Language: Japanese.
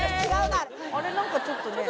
なんかちょっとね。